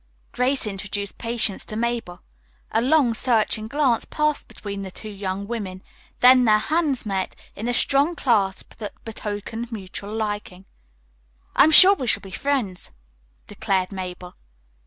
'" Grace introduced Patience to Mabel. A long, searching glance passed between the two young women, then their hands met in a strong clasp that betokened mutual liking. "I am sure we shall be friends," declared Mabel.